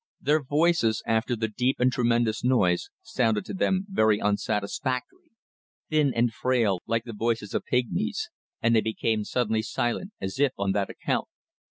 Their voices, after the deep and tremendous noise, sounded to them very unsatisfactory thin and frail, like the voices of pigmies and they became suddenly silent, as if on that account.